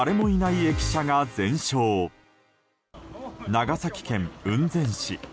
長崎県雲仙市。